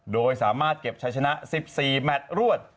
โดยสามารถเก็บใช้ชนะ๑๔แมทรวด